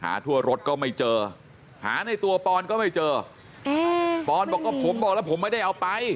ทั่วรถก็ไม่เจอหาในตัวปอนก็ไม่เจอปอนบอกว่าผมบอกแล้วผมไม่ได้เอาไป